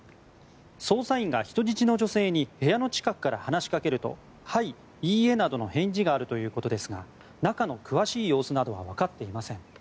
捜査員が人質の女性に部屋の近くから話しかけるとはい、いいえなどの返事があるということですが中の詳しい様子などは分かっていません。